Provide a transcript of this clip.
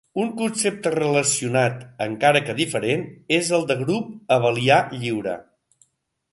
Un concepte relacionat, encara que diferent, és el de grup abelià lliure.